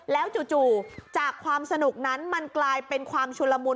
แล้วจู่จากความสนุกนั้นมันกลายเป็นความชุลมุน